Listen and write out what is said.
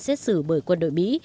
xét xử bởi quân đội mỹ